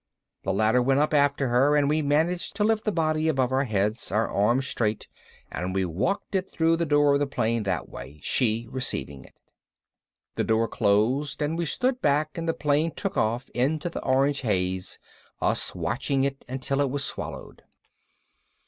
_ The ladder went up after her and we managed to lift the body above our heads, our arms straight, and we walked it through the door of the plane that way, she receiving it. The door closed and we stood back and the plane took off into the orange haze, us watching it until it was swallowed.